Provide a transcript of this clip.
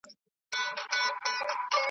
غرونه د سیل ښکلي ځایونه دي.